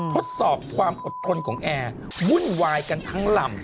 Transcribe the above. ทดสอบความอดทนของแอร์วุ่นวายกันทั้งลำ